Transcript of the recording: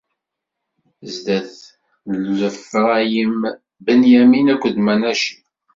Sdat n Ifṛayim, Binyamin akked Manaci!